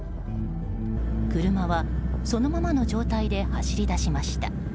車はそのままの状態で走り出しました。